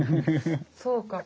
そうか。